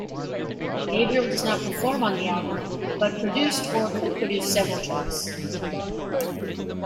Gabriel does not perform on the album, but produced or co-produced several tracks.